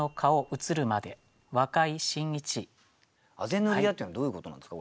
「畦塗るや」っていうのはどういうことなんですか？